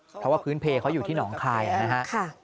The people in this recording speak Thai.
เพราะว่าพื้นเพลเขาอยู่ที่หนองคายนะฮะ